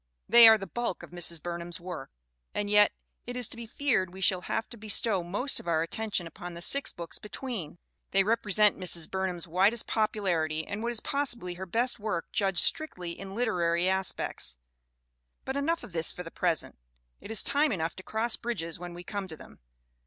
They are the bulk of Mrs. Burnham's work. And yet it is to be feared we shall have to bestow most of our attention upon the six books between! They repre sent Mrs. Burnham's widest popularity and what is possibly her best work judged strictly in literary as pects. But enough of this for the present; it is time enough to cross bridges when we come to them.